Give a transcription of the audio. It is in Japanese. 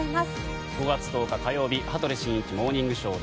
５月１０日、火曜日「羽鳥慎一モーニングショー」。